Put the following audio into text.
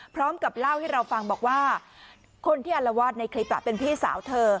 พร้อมกับเล่าให้เราฟังบอกว่าคนที่อารวาสในคลิปเป็นพี่สาวเธอ